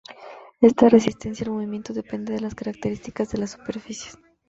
Esta resistencia al movimiento depende de las características de las superficies.